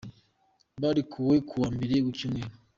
Barekuwe ku wa Mbere w’iki cyumweru.